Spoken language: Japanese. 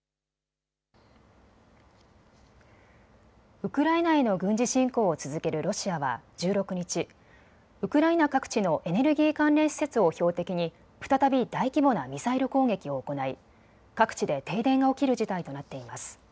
ウクライナへの軍事侵攻を続けるロシアは１６日、ウクライナ各地のエネルギー関連施設を標的に再び大規模なミサイル攻撃を行い各地で停電が起きる事態となっています。